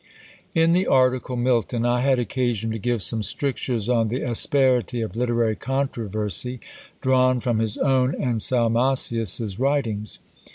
In the article MILTON, I had occasion to give some strictures on the asperity of literary controversy, drawn from his own and Salmasius's writings.